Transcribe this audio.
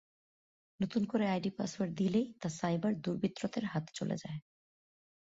নতুন করে ID password দিলেই তা সাইবার দুর্বৃত্তদের হাতে চলে যায়।